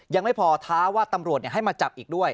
ยังไม่พอท้าว่าตำรวจให้มาจับอีกด้วย